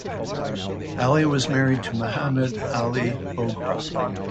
Ali was married to Mohammad Ali Bogra.